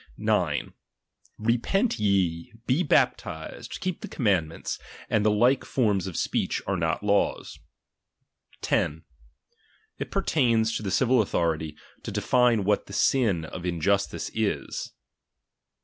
9. Repent ye, be baptized, keep the commandments, and the like forms of speech, are not laws. 10. It pertains to the civil authority, to define what the sin of iniustice is.